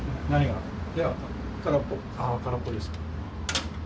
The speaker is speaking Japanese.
あ空っぽですか。